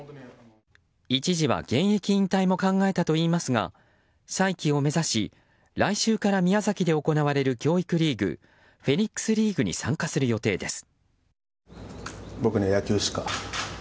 一時は現役引退も考えたといいますが再起を目指し、来週から宮崎で行われる教育リーグフェニックス・リーグに参加する予定です。